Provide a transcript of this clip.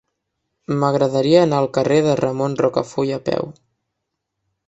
M'agradaria anar al carrer de Ramon Rocafull a peu.